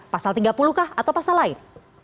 pasal tiga puluh kah atau pasal lain